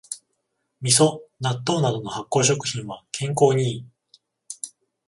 みそ、納豆などの発酵食品は健康にいい